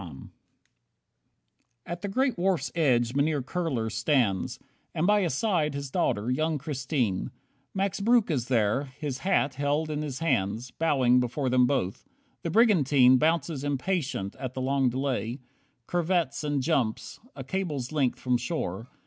23 At the great wharf's edge Mynheer Kurler stands, And by his side, his daughter, young Christine. Max Breuck is there, his hat held in his hands, Bowing before them both. The brigantine Bounces impatient at the long delay, Curvets and jumps, a cable's length from shore.